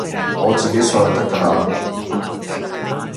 我自己上去得㗎喇